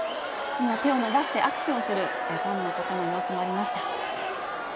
今、手を伸ばして握手をするファンの方の様子もありました。